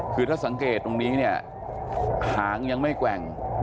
คือถ้าสังเกตตรงนี้เนี่ยหางยังไม่แกว่ง